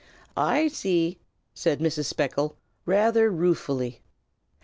"I see!" said Mrs. Speckle, rather ruefully.